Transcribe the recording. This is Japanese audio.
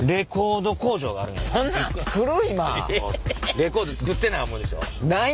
レコード作ってない思うでしょ？